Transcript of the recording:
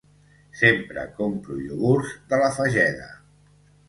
Sempre compro iogurts de La Fageda.